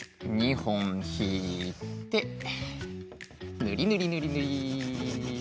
２ほんひいてぬりぬりぬりぬり。